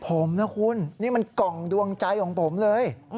ผมนะคุณนี่มันกล่องดวงใจของผมเลย